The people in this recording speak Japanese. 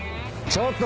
ちょっと！